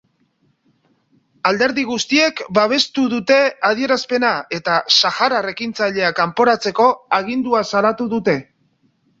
Alderdi guztiek babestu dute adierazpena, eta saharar ekintzailea kanporatzeko agindua salatu dute.